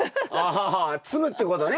あ摘むってことね。